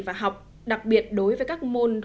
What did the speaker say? và học đặc biệt đối với các môn